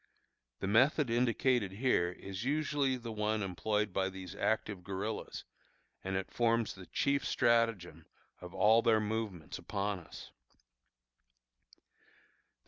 The method indicated here is usually the one employed by these active guerillas, and it forms the chief stratagem of all their movements upon us.